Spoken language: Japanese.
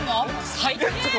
最低！